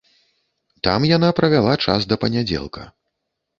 Там яна правяла час да панядзелка.